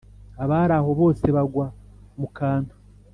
Abari aho bose bagwa mu kantu.